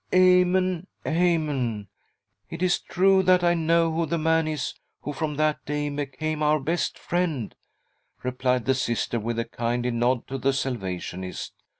" Amen I Amen ! It is true that I know who the man is who from that day became our best friend," replied the Sister, with a kindly nod to the Salvationist.